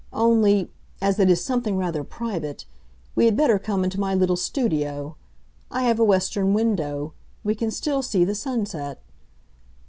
Only—as it is something rather private—we had better come into my little studio. I have a western window; we can still see the sunset.